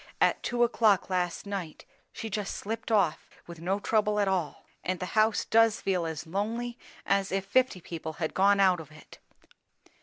"At two o'clock last night, she just slipped off, with no trouble at all. And the house does feel as lonely as if fifty people had gone out of it.